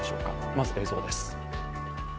まず映像です。